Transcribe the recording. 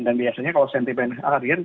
dan biasanya kalau sentimen harian